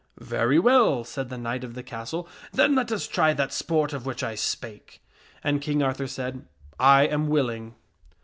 " Very well," said the knight of the castle ;" then let us try that sport of which I spake." And King Arthur said, " I am willing."